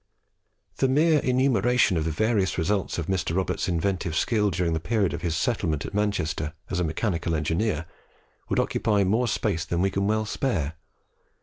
The mere enumeration of the various results of Mr. Roberts's inventive skill during the period of his settlement at Manchester as a mechanical engineer, would occupy more space than we can well spare.